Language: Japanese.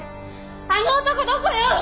あの男どこよ？